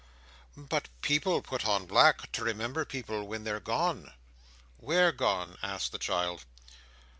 "But people put on black, to remember people when they're gone." "Where gone?" asked the child.